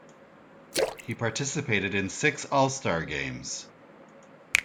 He participated in six All-Star games.